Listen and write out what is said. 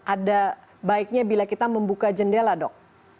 ada baiknya bila kita membuka jendela dok